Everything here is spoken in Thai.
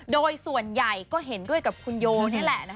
โดยส่วนใหญ่ก็เห็นด้วยกับคุณโยนี่แหละ